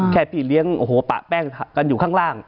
พี่เลี้ยงโอ้โหปะแป้งกันอยู่ข้างล่าง